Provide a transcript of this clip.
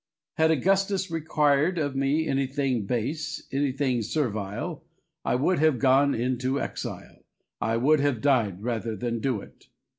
Had Augustus required of me anything base, anything servile, I would have gone into exile, I would have died, rather than do it.